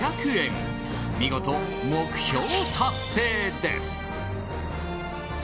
見事、目標達成です！